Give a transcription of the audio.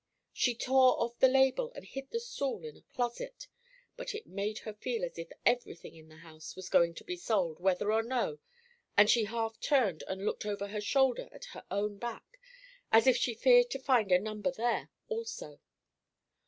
She tore off the label, and hid the stool in a closet, but it made her feel as if every thing in the house was going to be sold whether or no, and she half turned and looked over her shoulder at her own back, as if she feared to find a number there also.